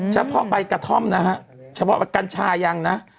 เฉพาะใบกระท่อมนะฮะเฉพาะกัญชายังนะ